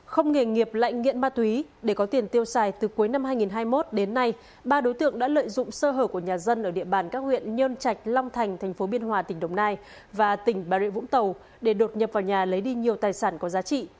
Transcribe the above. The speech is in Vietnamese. không nghề nghiệp lại nghiện ma túy để có tiền tiêu xài từ cuối năm hai nghìn hai mươi một đến nay ba đối tượng đã lợi dụng sơ hở của nhà dân ở địa bàn các huyện nhơn trạch long thành thành phố biên hòa tỉnh đồng nai và tỉnh bà rịa vũng tàu để đột nhập vào nhà lấy đi nhiều tài sản có giá trị